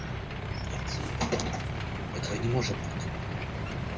Нет, этого не может быть.